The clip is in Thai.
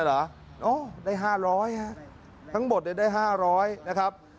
อ๋อได้๕๐๐บาททั้งหมดเลยได้๕๐๐บาทนะครับ